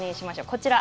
こちら。